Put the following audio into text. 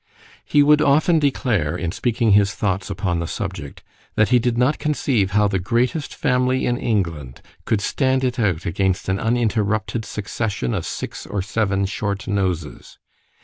He would often declare, in speaking his thoughts upon the subject, that he did not conceive how the greatest family in England could stand it out against an uninterrupted succession of six or seven short noses.